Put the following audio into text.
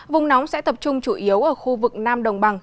vùng nóng sẽ tập trung chủ yếu ở khu vực nam đồng bằng